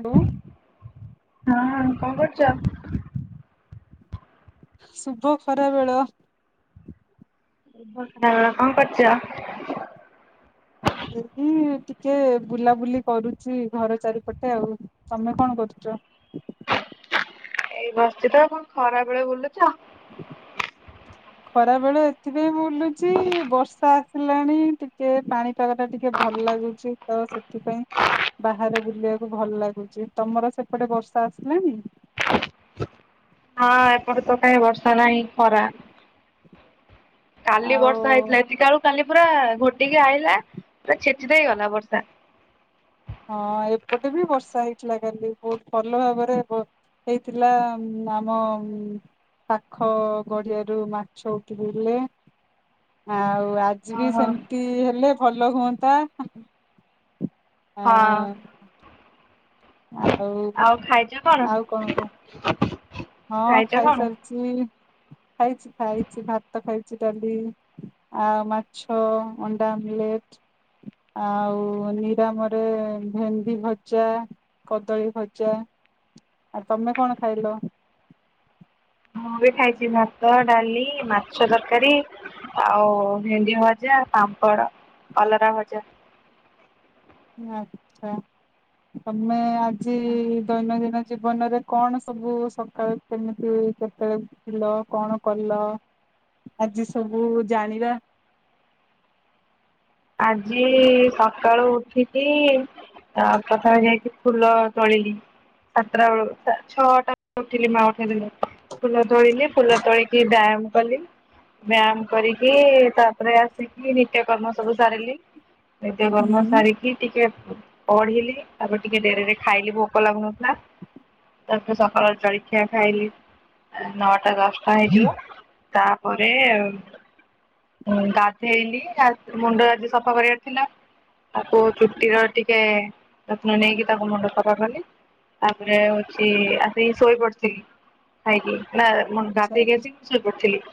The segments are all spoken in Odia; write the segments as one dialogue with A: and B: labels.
A: ହ୍ୟାଲୋ
B: ହଁ କଣ କରୁଚ?
A: ଶୁଭ ଖରାବେଳ।
B: ଶୁଭ ଖରାବେଳ। କଣ କରୁଚ?
A: ଏଇଠି ଟିକେ ବୁଲାବୁଲି କରୁଚି ଘର ଚାରିପଟେ ଆଉ ତମେ କଣ କରୁଚ।
B: ଏଇ ବସିଛି ତ କଣ ଖରା ବେଳେ ବୁଲୁଚ। ହ
A: ଖରା ବେଳ ଏଥିପାଇଁ ବୁଲୁଚି ବର୍ଷା ଆସିଲାଣି ଟିକେ ପାଣିପାଗ ଟା ଟିକେ ଭଲ ଲାଗୁଛି ତ ସେଥିପାଇଁ ବାହାରେ ବୁଲିବାକୁ ଭଲ ଲାଗୁଛି ତମର ସେପଟେ ବର୍ଷା ଆସ ଲାନି।
B: ହଁ ଏପଟେ ତ କାହିଁ ବର୍ଷା ନାହିଁ ଖରା। କାଲି
A: ଆଉ
B: ବର୍ଷା ହେଇଥିଲା ଏତିକାଳୁ କାଲି ପୁରା ଘୋଟିକି ଆଇଲା ପୁରା ଛେ ଚି ଦେଇଗଲା ବର୍ଷା।
A: ହଁ ଏପଟେ ବି ବର୍ଷା ହେଇଥିଲା କାଲି ବହୁତ ଭଲ ଭାବରେ ହେବ। ହେଇଥିଲା ଆମ ମ। ପାଖ ଗଡିଆରୁ ମାଛ ଉଠିପଡ଼ିଲେ ଆଉ ଆ ଯିବି
B: ଓହୋ।
A: ସେମତି ହେଲେ ଭ ହଁ।
B: ଆଉ ଖାଇଛ କଣ?
A: ଆଉ କହ ହଁ
B: ଖାଇଛ କଣ?
A: ଖାଇସାରିଛି ଖାଇଛି ଖାଇଛି ଭାତ ଖାଇଛି ଡାଲି। ଆଉ ମାଛ ଅଣ୍ଡା ଆମଲେଟ। ଆଉ ନିରାମରେ ଭେଣ୍ଡି ଭଜା। କଦଳୀ ଭଜା ଆଉ ତମେ କଣ ଖାଇଲ।
B: ମୁଁ ବି ଖାଇଛି ଭାତ ଡାଲି ମାଛ ତରକାରୀ। ଆଉ ଭେଣ୍ଡି ଭଜା ପାମ୍ପଡ କଲରା ଭଜା।
A: ଆଚ୍ଛା ତମେ ଆଜି ଦୈନନ୍ଦିନ। ଜୀବନରେ କଣ ସବୁ ସକାଳୁ କେମିତି କେତେବେଳେ ଉଠିଲ କଣ କଲ। ଆଜି ସବୁ ଜାଣିବା।
B: ଆଜି ସକାଳୁ ଉଠିକି। ତା ପରେ ତ ଯାଇକି ଫୁଲ ତୋଳିଲି। ସାତଟା ବେଳୁ, ଛଅଟା ଉଠିଲି ମା ଉଠେଇ ଦେଲେ ଫୁଲ ତୋଳିଲି। ଫୁଲ ତୋଳିକି ବ୍ୟାୟାମ କଲି। ବ୍ୟାୟାମ କରିକି ତାପରେ, ଆସିକି ନିତ୍ୟକର୍ମ ସବୁ ସାରିଲି। ନିତ୍ୟକର୍ମ
A: ହୁଁ
B: ସାରିକି ଟିକେ ପଢିଲି। ତାପରେ ଟିକେ ଡେରିରେ ଖାଇଲି, ଭୋକ ଲାଗୁନଥିଲା। ତା, ପରେ ସକାଳର ଜଳଖିଆ ଖାଇଲିି। ନଅଟା ଦଶଟା ହେଇଯିବ। ତାପରେ ଉଁ ଗଧେଇଲି ଆସ୍ ମୁଣ୍ଡ ଆଜି ସଫା କରିବାର ଥିଲା। ତାକୁ ଚୁଟିର ଟିକେ ଯତ୍ନ ନେଇକି, ତାକୁ ମୁଣ୍ଡ ସଫାକଲି। ତାପରେ ହଉଛି, ଆସିକି ଶୋଇ ପଡିଥିଲି, ଖାଇକି। ନାଁ ମୁଁ
A: ଆଚ୍ଛା
B: ଗାଧେଇ କି ଆସିକି ଶୋଇପଡ଼ିଥିଲି।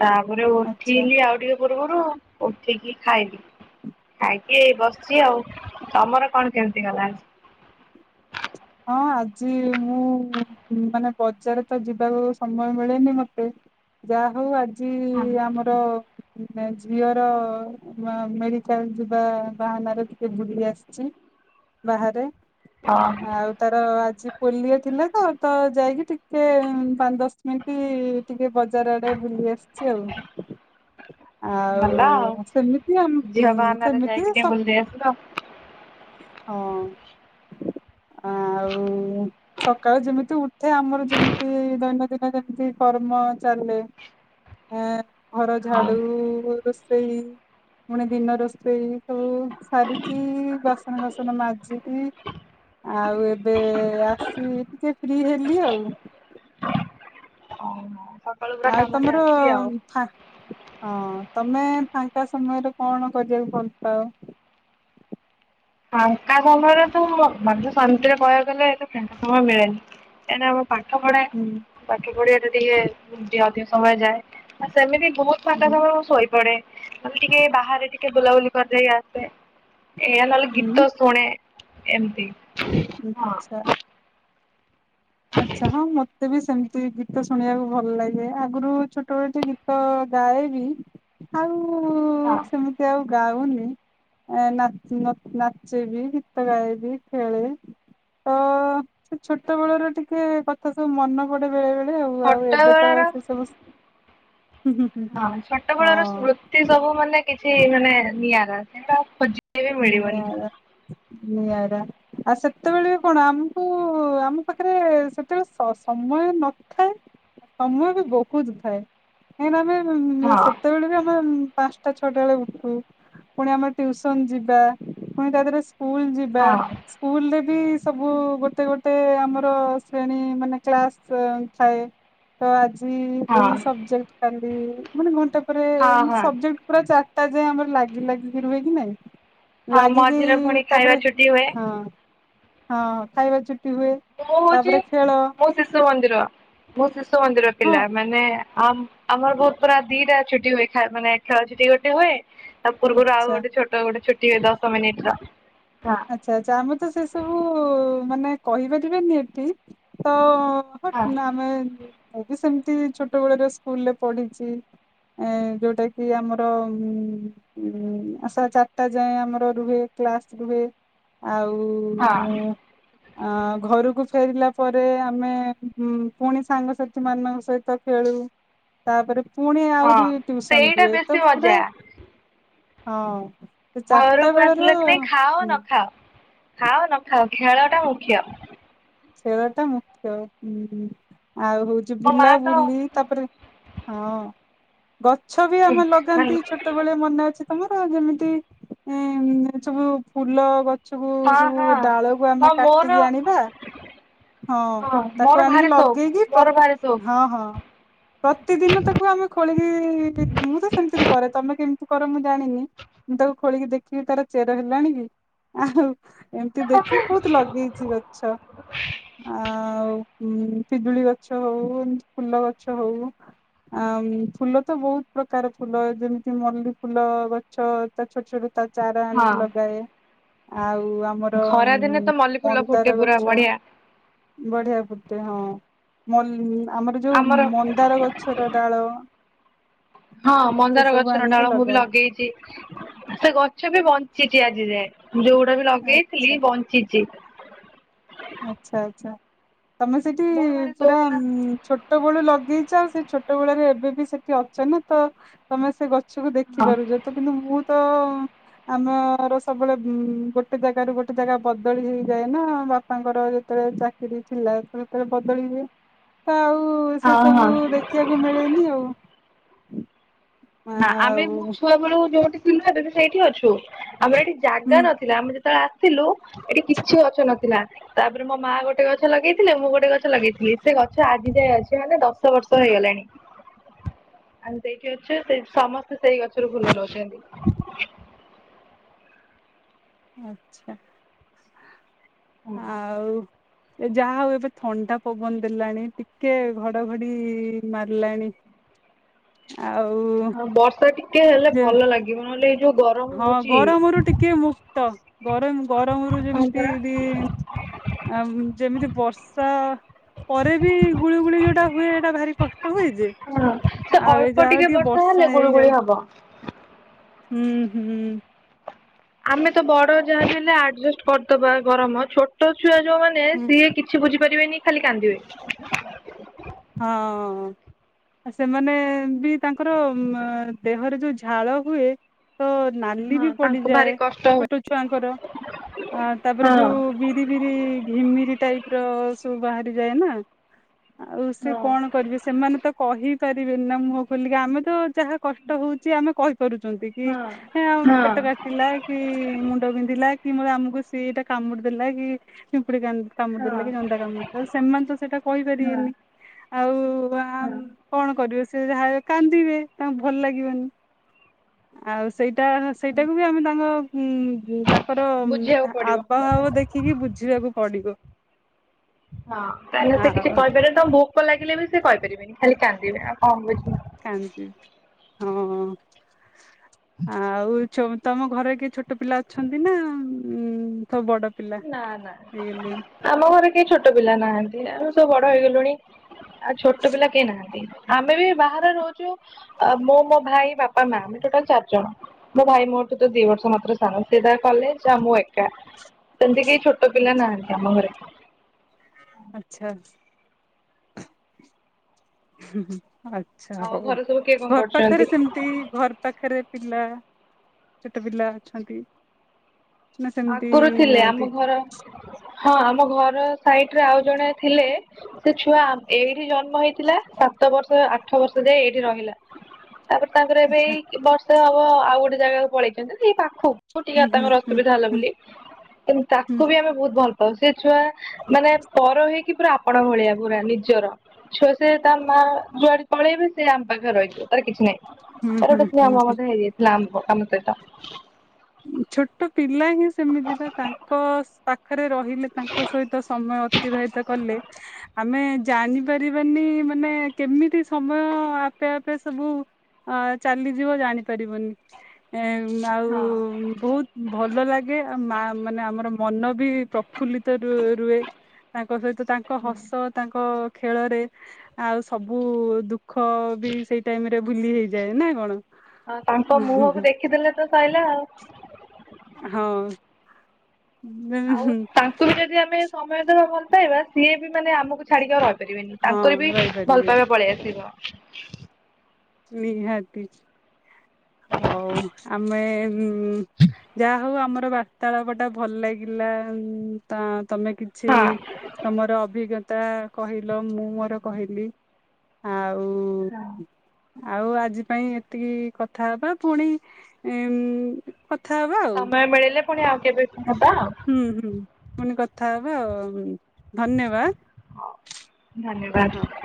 B: ତାପରେ
A: ଆଚ୍ଛା
B: ଉଠିଲି, ଆଉ ଟିକେ ପୂର୍ବରୁ ଉଠିକି ଖାଇଲି। ଖାଇକି ଏଇ ବସିଛି ଆଉ। ତମର କଣ କେମିତି ଗଲା?
A: ହଁ, ଆଜି ମୁଁ ମାନେ ବଜାର ତ ଯିବାକୁ ସମୟ ମିଳେନି ମତେ। ଯାହା ହଉ ଆଜି
B: ହଁ
A: ଆମର ଝିଅର ମେଡିକାଲ ଯିବା ବାହାନାରେ ଟିକେ ବୁଲି ଆସିଛି। ବାହାରେ
B: ହଁ।
A: ଆଉ ତାର ଆଜି ପୋଲିଓ ଥିଲା ତ! ତ ଯାଇକି ଟିକେ ଉଁ ପାଞ୍ଚ ଦଶ ମିନ୍ଟି ଟିକେ ବଜାର ଆଡେ ବୁଲି ଆସିଛି ଆଉ। ଆଉ ସେମିତି ଆମ୍
B: ଝିଅ
A: ମୁଁ
B: ବାହାନାରେ
A: ସେମିତି
B: ଯାଇକି ଟିକେ
A: ସବ୍
B: ବୁଲି ଦେଇ [inaudible]
A: ହଁ। ଆଉ
B: [inaudible]
A: ସକାଳୁ ଯେମିତି ଉଠେ, ଆମର ଯେମିତି ଦୈନନ୍ଦିନ ଯେମିତି କର୍ମ ଚାଲେ। ଏଁ ଘର
B: ହଁ
A: ଝାଡୁ, ରୋଷେଇ, ପୁଣି ଦିନ ରୋଷେଇ, ସବୁ ସାରିକି ବାସନ ଫାସନ ମାଜିକି।
B: [inaudible]
A: ଆଉ, ଏବେ ଆସି ଟିକେ ଫ୍ରି ହେଲି ଆଉ।
B: ଓହୋ ସକାଳୁ ପୁରା
A: ଆଉ
B: କାମ
A: ତମର
B: ଚାଲିଛି
A: ଅ
B: ଆଉ।
A: ଫା ହଁ ତମେ ଫାଙ୍କା ସମୟରେ କଣ କରିବାକୁ ଭଲ ପାଅ।
B: ଫାଙ୍କା ସମୟରେ ତ! ମାନେ, ସେମିତିରେ କହିବାକୁ ଗଲେ, ଏତ ଫାଙ୍କା ସମୟ ମିଳେନି। କେନା ଆମର ପାଠପଢା,
A: ହୁଁ
B: ପାଠ ପଢିବାଟା ଟିକେ ଅଧିକ ସମୟ ଯାଏ। ଆ ସେମିତି ବହୁତ ଫଙ୍କା
A: ହୁଁ
B: ସମୟ ଶୋଇପଡେ। ଟିକେ ବାହାରେ ଟିକେ କେ ବୁଲାବୁଲି କରିଦେଇ ଆସେ। ଏୟା ନହେଲେ
A: ହୁଁ
B: ଗୀତ ଶୁଣେ। ଏମତି।
A: ଆଚ୍ଛା, ଆଚ୍ଛା ହଁ ମୁତ୍ ମୋତେ ବି ସେମିତି ଗୀତ ଶୁଣିବାକୁ ଭଲ ଲାଗେ। ଆଗରୁ ଛୋଟବେଳ ଏଠି ଗୀତ ଗାଏ ବି ଆଉ-ଉ-
B: ହଁ।
A: ସେମିତି ଆଉ ଗାଉନି। ଏ ନାଚ୍ ନ ନାଚି ବି ଗୀତ ଗାଇବି, ଖେଳେ ତ ସେ ଛୋଟ ବେଳର ଟିକେ କଥା ସବୁ ମନେ ପଡେ, ବେଳେ ବେଳେ ଆଉ ଆଉ
B: ଛୋଟ
A: ଏବେ ତ
B: ବେଳର
A: ସେ ସବୁ ହୁଁ ହୁଁ ହୁଁ
B: ହଁ ଛୋଟବେେଳର
A: ହଁ
B: ସ୍ମୃତିସବୁ ମାନେ କିଛି ମାନେ ନିଆରା। ସେଇଡା ଖୋଜିଲେ ବି ମିଳିବନି।
A: ନିଆରା ନିଆରା ଆଉ ସେତେବେଳେ କଣ, ଆମକୁ ଆମପାଖରେ ସେତେବେଳେ ସ-ସମୟ ନଥାଏ। ସମୟ ବି ବହୁତ ଥାଏ। କାହିଁକି ନା ଆମେ ଉ-ଉ
B: ହଁ
A: ସେତେବେଳେ ବି ଆମେ ପାଞ୍ଚଟା ଛଅଟା ବେଳେ ଉଠୁ ପୁଣି ଆମେ ଟ୍ୟୁସନ ଯିବୁ। ବା ପୁଣି ତାଦେହରେ ସ୍କୁଲ ଯିବା।
B: ହଁ
A: ସ୍କୁଲରେ ବି ସବୁ ଗୋଟେ ଗୋଟେ ଆମର ଶ୍ରେଣୀ ମାନେ କ୍ଲାସ ଥାଏ ତ! ଆଜି ଇ
B: ହଁ
A: ଏଇ ସବଯେକଟ କାଲି ମାନେ ଘଣ୍ଟେ ପରେ
B: ହଁ
A: ଏମିତି
B: ହଁ
A: ସବଜେକଟ ପୁରା ଚା ତାଯାଏ ଆମର ଲାଗିଲାଗିକି ରୁହେ କି ନାଇଁ
B: ହଁ
A: ଲାଗିକି
B: ମଝିରେ ପୁଣି ଖାଇବା
A: ତାପରେ
B: ଛୁଟି ହୁଏ।
A: ହଁ ହଁ ଖାଇବା ଛୁଟି ହୁଏ
B: ମୁଁ ହଉଛି
A: ତାପରେ ଖେଳ
B: ମୁଁ ଶିଶୁମନ୍ଦିର ମୁଁ ଶିଶୁମନ୍ଦିର
A: ହଁ
B: ପିଲା ମାନେ ଆମ ଆମର ବହୁତ ପୁରା ଦିଟା ଛୁଟି ହୁଏ ମାନେ ଖେଳଛୁଟି ଗୋଟେ ହୁଏ ତା ପୂର୍ବରୁ
A: ଆଚ୍ଛା
B: ଆଉଗୋଟେ ଛୋଟ ଗୋଟେ ଛୁଟି ହୁଏ ଦଶମିନିଟର
A: ଆଚ୍ଛା ଆଚ୍ଛା ଆମର ତ ସେସବୁ ମାନେ କହିପାରିବେନି ଏଠି ତ
B: ହଁ
A: ଆମେ ଏବେ ସେମିତି ଛୋଟବେଳର ସ୍କୁଲରେ ପଢିଛି। ଏ ଯଉଟାକି ଆମର ଉ ସାଢେଚାରିଟା ଯାଏ ଆମର ରୁହେ କ୍ଲାସ ରୁହେ ଆଉ
B: ହଁ
A: ଉଁ ଆଁ ଘରକୁ ଫେରିଲା ପରେ ଆମେ ପୁଣି ସାଙ୍ଗସାଥିମାନଙ୍କ ସହିତ ଖେଳ ତାପରେ ପୁଣି
B: ହଁ
A: ଆହୁରି ଟିଉସନ
B: ସେଇଟା
A: ରୁହେ
B: ବେଶୀ
A: ତ ପୁରା
B: ମଜା
A: ହଁ ସେ
B: ଘରକୁ
A: ଚାରିଟାବେଳର
B: ଆସିଲ କି ନାଇଁ ଖାଅ ନ ଖାଅ ଖାଅ ନଖାଅ ଖେଳଟା ମୁଖ୍ୟ।
A: ଖେଳଟା ମୁଖ୍ୟ ଆଉ ହେଉଛି
B: ମୋ ମା ତ
A: ବୁଲାବୁଲି ତାପରେ ହଁ ଗଛ ବି
B: ହୁଁ
A: ଆମେ
B: ମାନେ
A: ଲଗାନ୍ତି ଛୋଟବେଳେ ମନେଅଛି। ତମର ଯେମିତି ଏସବୁ ଫୁଲଗଛ ସବୁ
B: ହଁ
A: ସବୁ
B: ହଁ
A: ଡାଳକୁ
B: ହଁ
A: ଆମେ
B: ମୋର
A: କାଟିକି ଆଣିବା ହଁ
B: ମୋର
A: ତାକୁ ଆଣିକି
B: ଭାରି ସଉକ
A: ଲଗେଇକି ପ
B: ମୋର ଭାରି ସଉକ
A: ହଁ ହଁ। ପ୍ରତିଦିନ ତାକୁ ଆମେ ଖୋଳିକି ମୁଁ ତ ସେମିତି କରେ ତମେ କେମତି କର ମୁଁ ଜାଣିନି ମୁଁ ତାକୁ ଖୋଳିକି ଦେଖିକି ତାର ଚେର ହେଲାଣି କି ଆଉ ଏମିତି ଦେଖି ବହୁତ ଲଗେଇଛି ଗଛ ଆଉ ପିଜୁଳିଗଛ ହଉ ଫୁଲଗଛ ହୋଉ ଆଁ ଫୁଲ ତ ବହୁତପ୍ରକାର ଫୁଲ ଯେମିତି ମଲ୍ଲିୀ ଫୁଲଗଛ ତା ଛୋଟ ଛୋଟ ତା ଚାର ଆଣିକି
B: ହଁ
A: ଲଗାଏ ଆଉ ଆଉ ଆମର
B: ଖରା ଦିନେ ତ ମଲ୍ଲି ଫୁଲ ଫୁଟେ ପୁରା
A: ମନ୍ଦାରଗଛ
B: ବଢିଆ।
A: ବଢିଆ ଫୁଟେ ହଁ ମଲ୍ଲୀ ଆମର ଯେଉଁ ମନ୍ଦାରଗଛର ଡାଳ
B: ହଁ
A: ସେ
B: ମନ୍ଦାର
A: ସବୁ
B: ଗଛର
A: ଆଣିକି
B: ଡାଳ ମୁଁ ବି
A: ଲଗାଏ
B: ଲଗେଇଛି ସେ ଗଛ ଛ ବି ବଞ୍ଚିଛି ଆଜି ଯାଏ ଯଉଁଗୁଡା ବି
A: ଆଚ୍ଛା
B: ଲଗେଇଥିଲି ବଞ୍ଚିଛି।
A: ଆଚ୍ଛା ଆଚ୍ଛା। ତମେ ସେଠି
B: ମୋର ଭାରି
A: ପୁରା
B: ସଉକ ନା
A: ଛୋଟ ବେଳୁ ଲଗ ଲଗେଇଇଛ ସେ ଛୋଟବେଳର ଏବେ ବି ସେଠି ଅଛ ନା ତ ତମେ ସେ ଗଛ ଗଛକୁ
B: ହଁ
A: ଦେଖିପାରୁଛ ତ କିନ୍ତୁ ମୁଁ ତ
B: [unintelligible]
A: ଆମର ସବୁବେଳେ ଗୋଟେ ଯାଗା ରୁ ଗୋଟେ ଯାଗା ବଦଳି ହୋଇଯାଏ ନା ବାପା ବାପାଙ୍କର ଯେତେବେଳେ ଚାକିରି ଥିଲା ସେତେବେଳେ ବଦଳିଯାଏ ଆଉ। ସେ
B: ହଁ ହଁ
A: ସବୁ ଦେଖିବାକୁ ମିଳେନି ଆଉ।
B: ନା ଆମେ ମୋ
A: ଆଉ
B: ଛୁଆବେଳୁ ଯେଉଁଠିଥିଲୁ ଏବେ ବି ସେଇଠି ଅଛୁ। ଆମର ଏଠି ଜାଗା
A: ହୁଁ
B: ନଥିଲା ଆମେ ଯେତେବେଳେ ଆସିଲୁ ଏଠି କିଛି ଗଛ ନଥିଲା। ତାପରେ ମୋ ମା ଗୋଟେ ଗଛ ଲଗେଇଥିଲେ ମୁଁ ଗୋଟେ ଗଛ ଲଗେଇଥିଲି ସେ ଗଛ ଆଜି ଯାଏ ଅଛି ମାନେ ଦଶ ବର୍ଷ ହେଇ ଗଲାଣି ଆମେ ତ ଏଇଠି ସମସ୍ତେ ସେଇ ଗଛରୁ ଫୁଲ ନଉଛନ୍ତି।
A: ଆଛା ଆଉ। ଏ ଯାହା ହଉ ଏବେ ଥଣ୍ଡା ପବନ ଦେଲାଣି ଟିକେ ଘଡଘଡି ମାରିଲାଣି।
B: [inaudible]
A: ଆଉ
B: ହଁ ବର୍ଷା ଟିକେ ହେଲେ
A: ଯେ
B: ଭଲ ଲାଗିବ ନହେଲେ ଯୋଉ ଗରମ
A: ହଁ
B: ହଉଛି
A: ଗରମରୁ ଟିକେ ମୁକ୍ତ ଗରମ ଗରମରୁ
B: ହଁ
A: ଯେମିତିି
B: ପରା।
A: ଦି ଯେମିତି ବର୍ଷା ପରେ ବି ଗୁଳୁଗୁଳି ଯୋଉଟା ହୁଏ ଏଇଟା ଭାରି କ ହୁଏଜେ
B: ହଁ ସେ
A: ଆଉ ଏ
B: ଅଳ୍ପ
A: ଯାହା ହଉ ଟିକେ
B: ହେଲେ
A: ବର୍ଷା
B: ଗୁଳୁଗୁଳି
A: ହେଇଯାଉ।
B: ହବ।
A: ହୁଁ ହୁଁ।
B: ଆମେ ତ ବଡ ଯାହା ବି ହେଲେ ଆଡଜେଷ୍ଟ କରିଦବା ଗରମ ଛୋଟ ଛୁଆ ଯୋଉ ମାନେ
A: ହୁଁ
B: ସିଏ କିଛି ବୁଝିପାରିବେନି ଖାଲି କାନ୍ଦିବେ।
A: ହଁ। ଆ ସେମାନେ ବି ତାଙ୍କର ଦେହରେ ଯୋଉ ଝାଳ ହୁଏ। ତ ନାଲି
B: ହଁ
A: ବି
B: ତାଙ୍କୁ
A: ପଡିଯାଏ
B: ଭାରି କଷ୍ଟ ହୁଏ।
A: ଛୋଟ ଛୁଆଙ୍କର। ଆ ତାପରେ
B: ହଁ
A: ଯୋଉ ବିରି ବିରି ଘିମିରି ଟାଇପ ର ସବୁ ବାହାରି ଯାଏ ନା ଆଉ ସେ
B: ହଁ
A: କଣ କରିବେ ସେମାନେ ତ କହି ପାରିବେନି ନା ମୁହଁ ଖୋଲିକି ଆମେ ତ ଯାହା କଷ୍ଟ ହଉଛି ଆମେ କରୁଛନ୍ତି କି
B: ହଁ ହଁ
A: ପେଟ କାଟିଲା କି ମୁଣ୍ଡ ବିନ୍ଧିଲା। କି ମତେ ଆମକୁ ସେଇଟା କାମୁଡି ଦେଲା କି କୁ କାମୁଡି
B: ହଁ
A: ଦେଲା କି ଜନ୍ଦା କାମୁଡି ଦେଲା ସେମାନେ ତ ସେଟା
B: ହଁ
A: କହିପାରିବେନି। ଆଉ ଆ
B: ହଁ।
A: କଣ କରିବେ ସେ ଯାହା ବି ହେଉ କାନ୍ଦିବେ ତାଙ୍କୁ ଭଲ ଲାଗିବନି ଆଉ ସେଇଟା ସେଇଟାକୁ ବି ଆମେ ତାଙ୍କ ହୁଁ ତାଙ୍କର
B: ବୁଝିବାକୁ ପଡିବ।
A: ଆବଭାବ ଦେଖିକି ବୁଝିବାକୁ ପଡିବ।
B: ହଁ ତାହେଲେ ସେ କିଛି
A: ଆଉ
B: କହିପାରିବେନି ତାଙ୍କୁ ଭୋକ ଲାଗିଲେ ବି ସେ କହିପାରିବେନି ଖାଲି କାନ୍ଦିବେ ଆଉ କଣ ବୁଝ
A: କାନ୍ଦିବେ ହଁ ଆଉ ତମ ଘରେ କିଏ ଛୋଟ ପିଲା ଅଛନ୍ତି ନା,? ସବୁ ବଡ ପିଲା
B: ନାଁ ନାଁ
A: ହେଇଗଲେଣି?
B: ଆମ ଘରେ କେହି ଛୋଟ ଛୋଟ ପିଲା ନାହାନ୍ତି ଆମ ସବୁ ବଡ ହେଇଗଲୁଣି ଆଉ ଛୋଟ ପିଲା କେହି ନାହାନ୍ତି। ଆମେ ବି ବାହାରେ ରହୁଛୁ ମୁଁ ମୋ ଭାଇ ବାପା ମା ଆମେ ଟୋଟାଲ ଚାରି ଜଣ ମୋ ଭାଇ ମୋ ଠୁ ତ ଦି ବର୍ଷ ମାତ୍ର ସାନ ସେ ତା କଲେଜ ଆଉ ମୁଁ ଏକା। ସେମିତି କେହି ଛୋଟ ପିଲା ନାହାନ୍ତି ଆମ ଘରେ
A: ଆଛା। ହ ଆଛା
B: ଆଉ
A: ହଉ
B: ଘରେ ସବୁ କିଏ କଣ
A: ଘର
B: କରୁଛନ୍ତି?
A: ପାଖରେ ସେମତି ଘର ପାଖରେ ପିଲା ଛୋଟ ପିଲା ଅଛନ୍ତି? ନା ସେମିତି
B: ଆଗରୁ ଥିଲେ
A: ନାହାନ୍ତି
B: ଆମ ଘର ହଁ ଆମ ଘର ସାଇଟ ରେ ଆଉ ଜଣେ ଥିଲେ ସେ ଛୁଆ ଏଇଠି ଜନ୍ମ ହେଇଥିଲା ସାତ ବର୍ଷ ଆଠ ବର୍ଷ ଦେ ଏଇଠି ରହିଲା। ତାପରେ ତାଙ୍କର ଏବେ
A: ଆଚ୍ଛା
B: ବର୍ଷେ ହବ ଆଉ ଗୋଟେ ଜାଗାକୁ ପଳେଇଛନ୍ତି ଏଇ ପାଖକୁ
A: ହୁଁ
B: ଟିକେ
A: ହୁଁ
B: ତାଙ୍କର ଅସୁ
A: ହୁଁ। ହୁଁ
B: ବୋଲି କିନ୍ତୁ
A: ହୁଁ
B: ତାକୁ ବି ଆମେ ବହୁତ ଭଲ ପାଉ ସେ ଛୁଆ ମାନେ ପର ହେଇକି ପୁରା ଆପଣା ଭଳିଆ ପୁରା ନିଜର ଛୁଆ ସେ ତା ମା ଯୁଆଡେ ପଳେଇବ ସେ ଆମ ପାଖରେ ରହିଯିବ ତାର କିଛି ନାହିଁ।
A: ହୁଁ
B: ତାର
A: ହୁଁ
B: ଗୋଟେ ସ୍ନେହ
A: ହୁଁ
B: ମମତା ହେଇଯାଇଥିଲା ଆମ ସହିତ।
A: ହୁଁ ଛୋଟ ପିଲା ହିଁ ସେମିତି ନା ତାଙ୍କ ପା ପାଖରେ ରହିଲେ ତାଙ୍କ ସହିତ ସମୟ ଅତିବାହିତ କଲେ ଆମେ ଜାଣିିପାରିବାନି ମାନେ କେମିତି ସମୟ ଆପେ ଆପେ ସବୁ ହଁ ଚାଲିଯିବ ଜାଣିପାରିବନି। ଏ ଆଉ
B: ହଁ।
A: ବହୁତ ଭଲ ଲାଗେ ଆଉ ମା ମାନେ ଆମର ମନ ବି ପ୍ରଫୁଲ୍ଲିତ ର- ରୁହେ ତାଙ୍କ ସହିତ ତାଙ୍କ ହସ ତାଙ୍କ ଖେଳରେ ଆଉ ସବୁ ଦୁଃଖ ବି ସେଇ ଟାଇମ ରେ ଭୁଲି ହେଇଯାଏ ନା କଣ?
B: ଆଉ ତାଙ୍କ ମୁହଁକୁ ଦେଖିଦେଲେ ତ ସଇଲା ଆଉ।
A: ହଁ।
B: ଆଉ ତାଙ୍କୁ ବି ଯଦି ଆମେ ସମୟ ଦେବା ଭଲ ପାଇବା ସିଏ ବି ମାନେ ଆମକୁ ଛାଡିକି ଆଉ ରହି- ପାରିବିନି
A: ହଁ
B: ତାଙ୍କର ବି ଭଲ
A: ରହିପାରିବେନି
B: ପାଇବା ପଳେଇ ଆସିବ।
A: ନିହାତି। ହଉ ଆମେ ଯାହା ହଉ ଆମର ବାର୍ତ୍ତାଳାପ ଟା ଭଲ ଲାଗି- ଲା ଉଁ-ତ ତମେ କିଛି
B: ହଁ।
A: ତମର ଅଭିଜ୍ଞ- ତା କହିଲ, ମୁଁ ମୋର କହିଲି ଆଉ
B: ହଁ [unintelligible]
A: ଆଉ ଆଜି ପାଇଁ ଏତିକି କଥା ହବା ପୁଣି ଏଉଁ କଥା ହବା ଆଉ
B: ସମୟ ମିଳିଲେ ପୁଣି ଆଉ କେବେ? କଥା ହବା ଆଉ
A: ହୁଁ ହୁଁ ପୁଣି କଥା ହବା, ଆଉ ଧନ୍ୟବାଦ!
B: ଧନ୍ୟବାଦ
A: ହଉ।